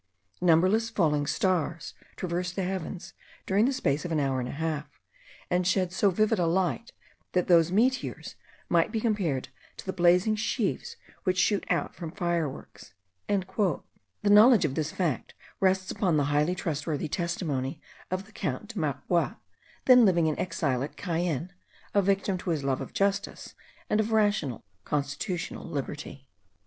Numberless falling stars traversed the heavens during the space of an hour and a half, and shed so vivid a light, that those meteors might be compared to the blazing sheaves which shoot out from fireworks." The knowledge of this fact rests upon the highly trustworthy testimony of the Count de Marbois, then living in exile at Cayenne, a victim to his love of justice and of rational, constitutional liberty.